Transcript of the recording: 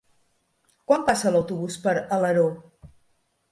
Quan passa l'autobús per Alaró?